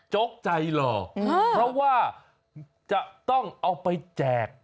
จ๊กใจหล่อเพราะว่าจะต้องเอาไปแจก